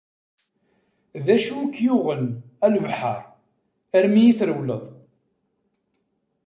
D acu i k-yuɣen, a lebḥer, armi i trewleḍ?